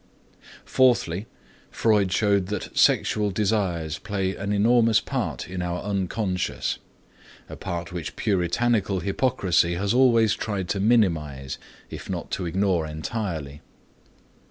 Fourthly, Freud showed that sexual desires play an enormous part in our unconscious, a part which puritanical hypocrisy has always tried to minimize, if not to ignore entirely.